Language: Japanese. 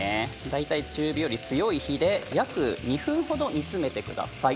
大体、中火より強い火で約２分ほど煮詰めてください。